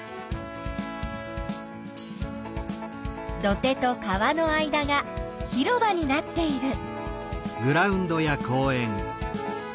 土手と川の間が広場になっている。